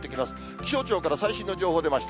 気象庁から最新の情報が出ました。